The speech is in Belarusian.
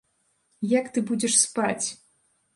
Як ты будзеш спаць?